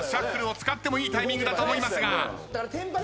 ＳＨＵＦＦＬＥを使ってもいいタイミングだと思いますが。